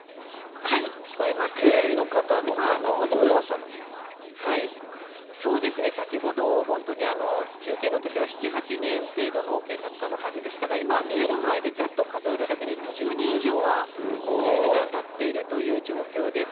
警備の方の数が本当増えましそうですね、先ほど、本当に中継のときは７、８人程度の警察官の数でしたが、今、見える範囲でざっと数えるだけで２０人以上は警備に当たっているという状況です。